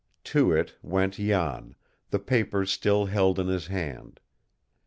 To it went Jan, the papers still held in his hand.